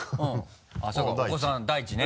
そうかお子さんだいちね。